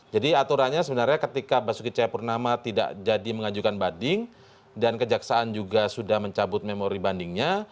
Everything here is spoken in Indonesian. jadi aturannya sebenarnya ketika basuki caya purnama tidak jadi mengajukan banding dan kejaksaan juga sudah mencabut memori bandingnya